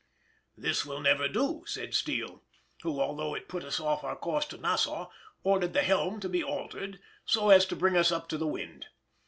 To face page 78] "This will never do," said Steele, who, although it put us off our course to Nassau, ordered the helm to be altered, so as to bring us up to the wind.